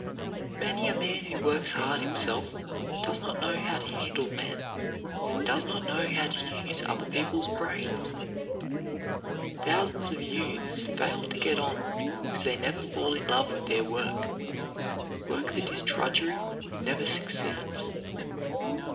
Many a man who works hard himself, does not know how to handle men, and does not know how to use other people's brains. Thousands of youths fail to get on because they never fall in love with their work. Work that is drudgery never succeeds.